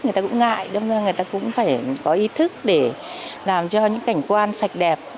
người ta cũng ngại đông ra người ta cũng phải có ý thức để làm cho những cảnh quan sạch đẹp